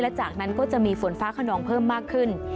จากนั้นก็จะมีฝนฟ้าขนองเพิ่มมากขึ้น